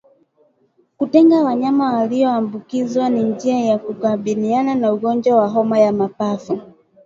Kutenga wanyama walioambukizwa ni njia ya kukabiliana na ugonjwa wa homa ya mapafu